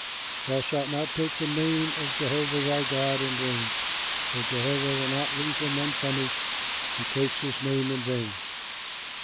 "THOU SHALT NOT TAKE THE NAME OF JEHOVAH THY GOD IN VAIN, for Jehovah will not leave him unpunished who takes his name in vain.